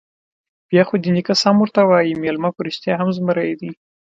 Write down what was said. _بيا خو دې نيکه سم ورته وايي، مېلمه په رښتيا هم زمری دی.